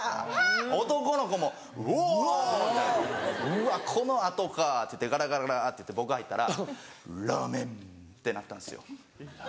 「うわこの後か」っていってガラガラガラって僕入ったら「ラーメン」ってなったんですよ。